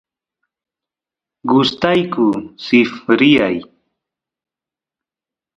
gustayku sifryay